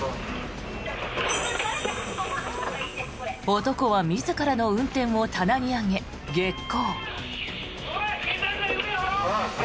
男は自らの運転を棚に上げ激高。